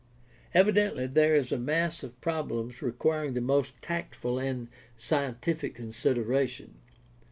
Evidently there is a mass of problems requiring the most tactful and scientific consideration.